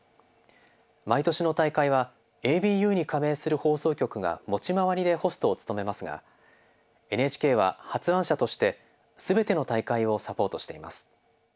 毎年の大会はＡＢＵに加盟する放送局が持ち回りでホストを務めますがＮＨＫは発案者として全ての大会をサポートしています。